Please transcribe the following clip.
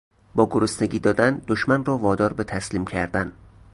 با گرسنگی دادن دشمن را وادار به تسلیم کردن